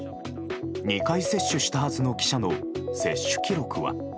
２回接種したはずの記者の接種記録は。